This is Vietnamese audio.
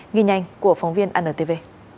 nghiên nhanh của phóng viên anntv